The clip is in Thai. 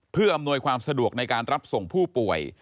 เพื่ออำนวยความสะดวกในการรับส่งผู้ป่วย